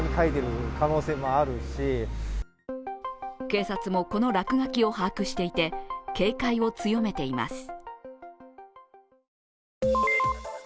警察もこの落書きを把握していて警戒を強めています。